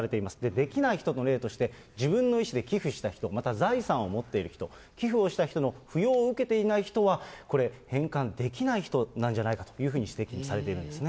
できない人の例として、自分の意思で寄付した人、また財産を持っている人、寄付をした人の扶養を受けていない人は、これ返還できない人なんじゃないかというふうに指摘されているんですね。